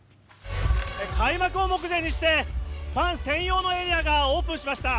開幕は目前にしてファン専用のエリアがオープンしました。